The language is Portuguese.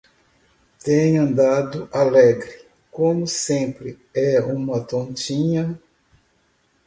Tem andado alegre, como sempre; é uma tontinha.